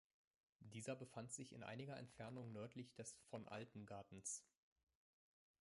Dieser befand sich in einiger Entfernung nördlich des Von-Alten-Gartens.